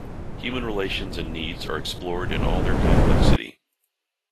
Human relations and needs are explored in all their complexity.